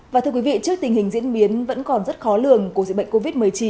và thưa quý vị trước tình hình diễn biến vẫn còn rất khó lường của dịch bệnh covid một mươi chín